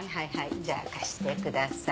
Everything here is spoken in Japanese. じゃあ貸してください。